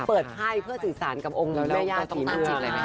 เปิดไพร่เพื่อสินสารกับองค์แม่ย่าสีเมือง